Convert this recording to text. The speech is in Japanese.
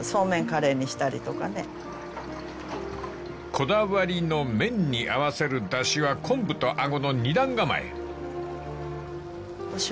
［こだわりの麺に合わせるだしはコンブとアゴの２段構え］